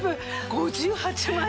５８万円。